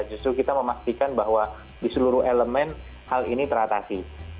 justru kita memastikan bahwa di seluruh elemen hal ini teratasi